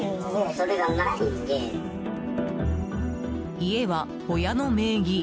家は親の名義。